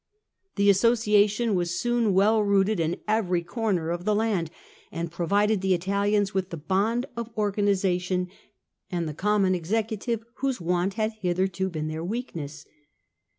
'' The association was soon well rooted in eyery corner of the land, and provided the Italians with the bond of organisation and the common executive whose want had hitherto been their weakness.